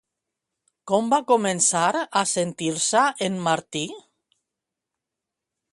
Com va començar a sentir-se en Martí?